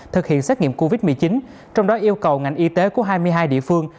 thực hiện xét nghiệm covid một mươi chín trong đó yêu cầu ngành y tế của hai mươi hai địa phương